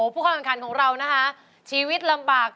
ผู้เข้าแข่งขันของเรานะคะชีวิตลำบาก